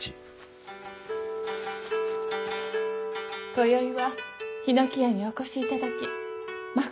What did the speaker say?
今宵は檜屋にお越しいただき誠に。